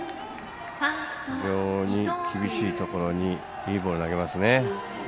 非常に厳しいところにいいボール投げますね。